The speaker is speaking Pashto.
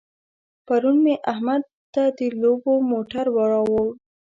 پرون مې احمد ته د لوبو موټر راوړ.